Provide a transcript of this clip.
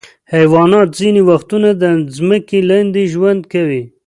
حیوانات ځینې وختونه د ځمکې لاندې ژوند کوي.